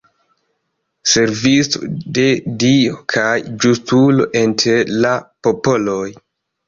Servisto de Dio kaj justulo inter la popoloj.